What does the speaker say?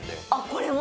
これも？